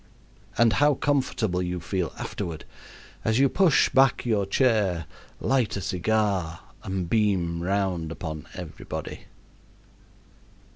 And how comfortable you feel afterward as you push back your chair, light a cigar, and beam round upon everybody.